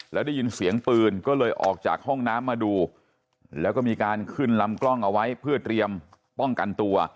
แล้วได้ยินเสียงปืนก็เลยออกจากห้องน้ำมาดูแล้วก็มีการขึ้นลำกล้องเอาไว้เพื่อเตรียมป้องกันตัว